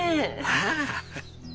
ああ。